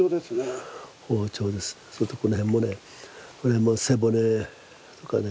それとこの辺もねこれも背骨とかね。